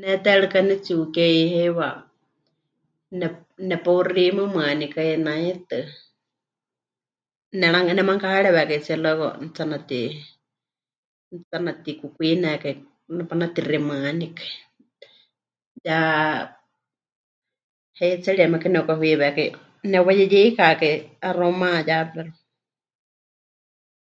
Ne teerɨka pɨnetsi'ukei heiwa, ne... nepeuximɨmɨanikai naitɨ, nera... nemanukáharewekaitsie luego netsi'anati... netsi'anatikukwinekai, nepanatiximɨanikai, ya heitseriemekɨ nepɨkahuiweékai, nepɨwayeyeikakai, 'axa pɨmayá pero.